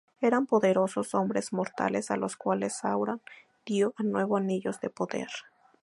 Eran poderosos hombres mortales a los cuales Sauron dio nueve Anillos de Poder.